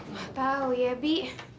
gak tau ya bi